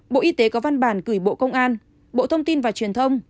bộ y tế có văn bản gửi bộ công an bộ thông tin và truyền thông